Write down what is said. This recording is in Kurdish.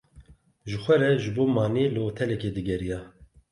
Ji xwe re ji bo manê li otelekê digeriya.